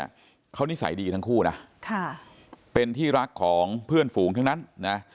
เขานิสัยดีทั้งคู่นะค่ะเป็นที่รักของเพื่อนฝูงทั้งนั้นนะ